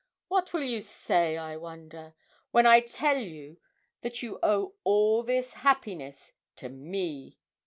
What will you say, I wonder, when I tell you that you owe all this happiness to me?